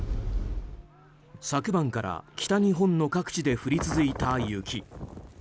昨晩から北日本の各地で降り続いた雪。